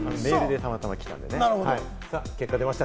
メールでたまたま来たんでね。